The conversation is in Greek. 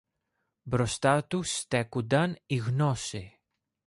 Μπροστά του στέκουνταν η Γνώση.